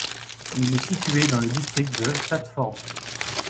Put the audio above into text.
Il est situé dans le district de Stafford.